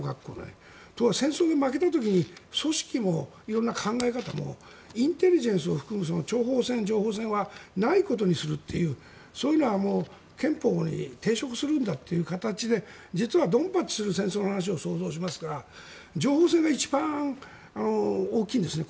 戦争に負けた時に組織も色んな考え方もインテリジェンスを含む諜報戦情報戦はないことにするというそういうのは憲法に抵触するんだという形で実はドンパチする戦争の話を想像しますから情報戦が一番大きいんですね